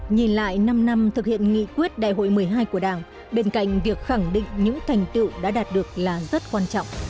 nhìn lại năm năm thực hiện nghị quyết đại hội một mươi hai của đảng bên cạnh việc khẳng định những thành tựu đã đạt được là rất quan trọng